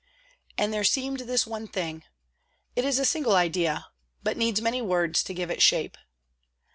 And there seemed this one thing. It is a single idea, but needs many words to give it shape.